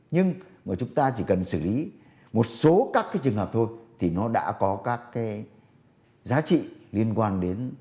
nhưng mà chúng ta chỉ cần xử lý một số các cái trường hợp thôi thì nó đã có các cái giá trị liên quan đến